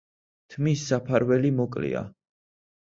თმის საფარველი მოკლეა.